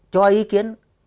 cho ý kiến